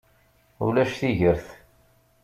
Ulac tigert.